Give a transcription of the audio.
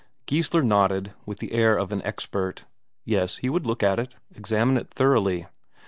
Geissler nodded, with the air of an expert; yes, he would look at it, examine it thoroughly.